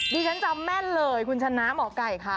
ดิฉันจำแม่นเลยคุณชนะหมอไก่ค่ะ